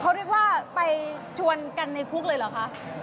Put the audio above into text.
เขาเรียกว่าไปชวนกันในคุกเลยเหรอคะ